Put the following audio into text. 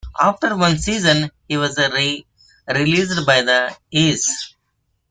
After one season, he was released by the A's.